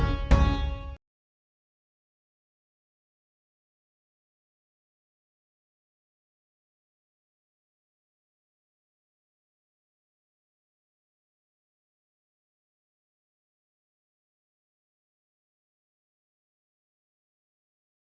sampai jumpa lagi